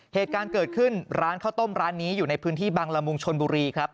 เหตุการณ์เกิดขึ้นร้านข้าวต้มร้านนี้อยู่ในพื้นที่บังละมุงชนบุรีครับ